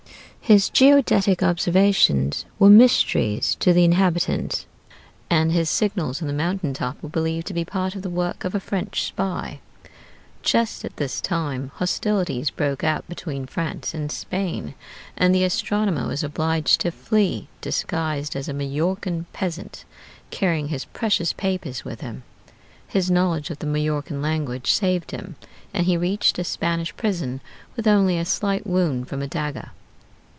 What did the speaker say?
His geodetic observations were mysteries to the inhabitants, and his signals on the mountain top were believed to be part of the work of a French spy. Just at this time hostilities broke out between France and Spain, and the astronomer was obliged to flee disguised as a Majorcan peasant, carrying his precious papers with him. His knowledge of the Majorcan language saved him, and he reached a Spanish prison with only a slight wound from a dagger.